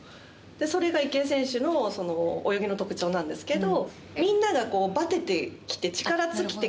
それが池江選手の泳ぎの特徴なんですけど。